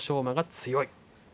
馬が強い。